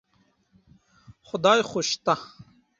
خدای خو شته.